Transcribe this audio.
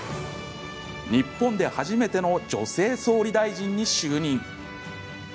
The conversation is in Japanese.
日本で初めての女性総理大臣に就任。